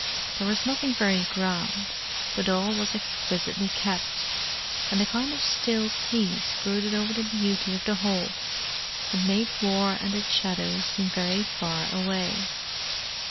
There was nothing very grand, but all was exquisitely kept; and a kind of still peace brooded over the beauty of the whole, and made War and its shadows seem very far away.